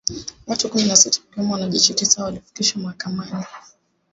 Watu kumi na sita wakiwemo wanajeshi tisa walifikishwa mahakamani